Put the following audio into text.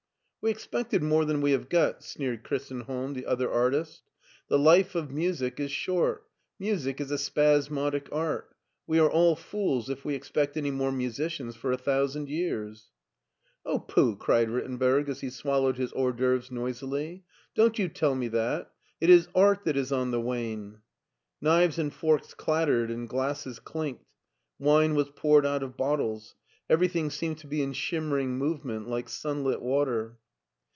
"We expected more than we have got," sneered Christenholm, the other artist. "The life of music is short. Music is a spasmodic art. We are all fools if we expect any more musicians for a thousand years." " Oh, pooh !" cried Rittenberg as he swallowed his hors d' (suvres noisily, " don't you tell me that. It is art that is on the wane." Knives and forks clattered and glasses clinked. Wine was poured out of bottles ; everything seemed to be in shimmering movement like sunlit water.